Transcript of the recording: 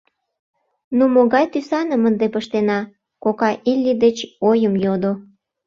— Ну, могай тӱсаным ынде пыштена? — кока Илли деч ойым йодо.